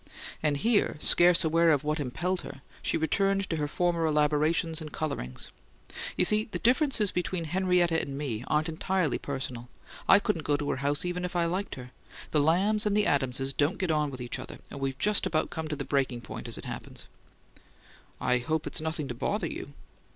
And here, scarce aware of what impelled her, she returned to her former elaborations and colourings. "You see, the differences between Henrietta and me aren't entirely personal: I couldn't go to her house even if I liked her. The Lambs and Adamses don't get on with each other, and we've just about come to the breaking point as it happens." "I hope it's nothing to bother you."